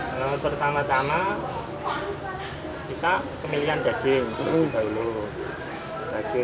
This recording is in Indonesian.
kalau pertama tama kita pemilihan daging terlebih dahulu